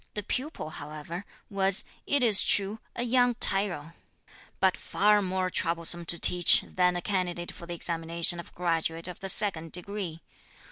The pupil, however, was, it is true, a young tyro, but far more troublesome to teach than a candidate for the examination of graduate of the second degree.